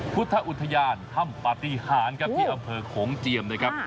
พุทธอุทยานถ้ำปฏิหารครับที่อำเภอโขงเจียมนะครับ